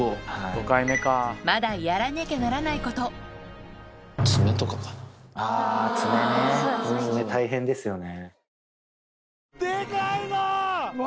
まだやらなきゃならないことあぁ爪ね大変ですよね。